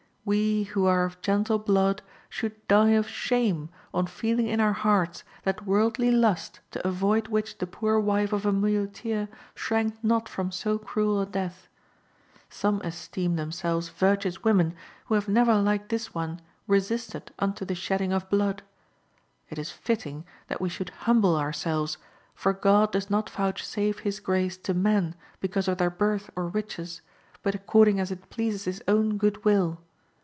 We who are of gentle blood should die of shame on feeling in our hearts that worldly lust to avoid which the poor wife of a muleteer shrank not from so cruel a death. Some esteem themselves virtuous women who have never like this one resisted unto the shedding of blood. It is fitting that we should humble ourselves, for God does not vouchsafe His grace to men because of their birth or riches, but according as it pleases His own good will.